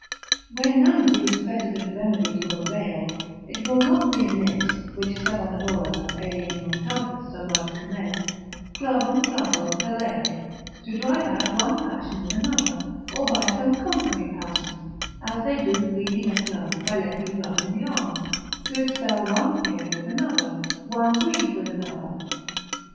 When none of these precedent remedies will avail, it will not be amiss, which Savanarola and Aelian Montaltus so much commend, clavum clavo pellere, to drive out one passion with another, or by some contrary passion, as they do bleeding at nose by letting blood in the arm, to expel one fear with another, one grief with another.